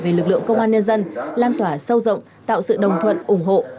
về lực lượng công an nhân dân lan tỏa sâu rộng tạo sự đồng thuận ủng hộ